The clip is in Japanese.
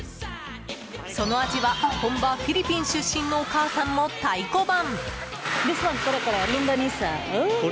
その味は、本場フィリピン出身のお母さんも太鼓判。